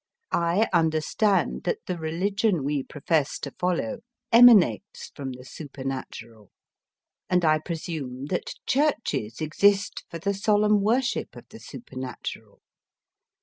I understand that the religion we profess to follow ema nates from the supernatural. And I presume that churches exist for the solemn worship of the supernatural.